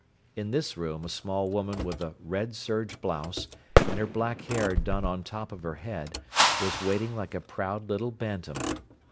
In this room a small woman with a red serge blouse, and her black hair done on top of her head, was waiting like a proud little bantam.